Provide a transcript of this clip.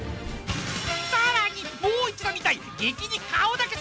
［さらにもう一度見たい］